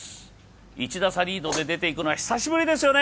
１打差リードで出て行くのは、久しぶりですよね、